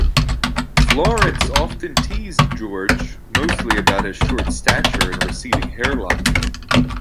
Florence often teased George, mostly about his short stature and receding hairline.